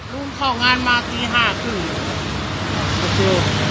รุมเข้างานมาตี๕นาที